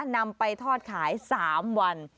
นำไปทอดขาย๓วัน